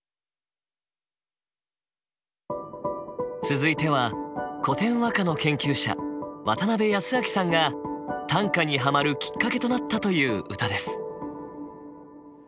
続いては古典和歌の研究者渡部泰明さんが短歌にハマるきっかけとなったという歌です。